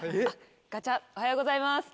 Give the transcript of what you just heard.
ガチャおはようございます。